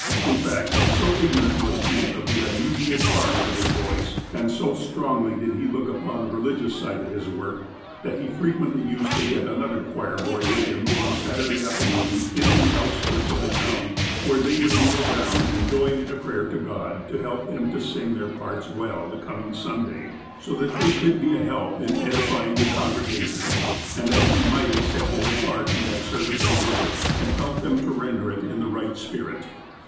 In fact, so ignorant was he of the unusual charms of his voice, and so strongly did he look upon the religious side of his work, that he frequently used to get another choir boy with him on Saturday afternoons into the outskirts of the town where they would kneel down and join in a prayer to God to help them to sing their parts well the coming Sunday so 22 THE APOSTLE OF ALASKA that they could be a help iu edifying the congregation, and that He might accept their part in that service and worship, and help them to render it in the right spirit.